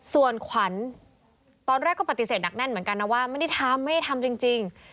ส่วนขวัญตอนแรกก็ปฏิเสธหนักแน่นเหมือนกันนะว่าไม่ได้ทำไม่ได้ทำจริง